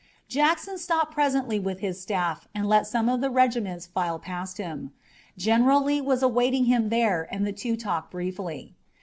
Jackson stopped presently with his staff and let some of the regiments file past him. General Lee was awaiting him there and the two talked briefly.